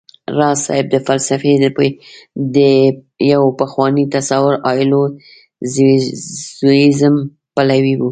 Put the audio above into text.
راز صيب د فلسفې د يو پخواني تصور هايلو زوييزم پلوی و